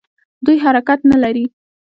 دوی حرکت نه لري.